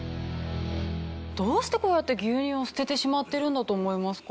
どうしてこうやって牛乳を捨ててしまってるんだと思いますか？